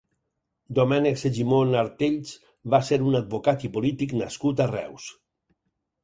Domènec Segimon Artells va ser un advocat i polític nascut a Reus.